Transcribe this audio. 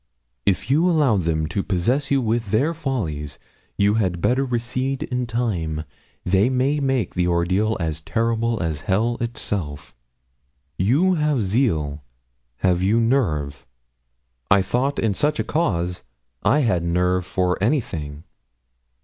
'If you allow them to possess you with their follies, you had better recede in time they may make the ordeal as terrible as hell itself. You have zeal have you nerve?' I thought in such a cause I had nerve for anything.